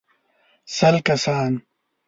سل کسان.